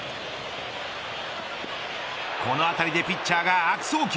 この当たりでピッチャーが悪送球。